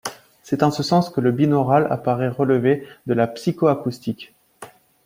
C'est en ce sens que le binaural apparaît relever de la psychoacoustique.